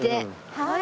はい。